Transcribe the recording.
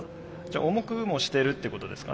重くもしてるっていうことですかね？